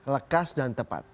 lekas dan tepat